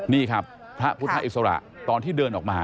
นี่ครับพระพุทธอิสระตอนที่เดินออกมา